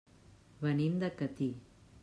Venim de Catí.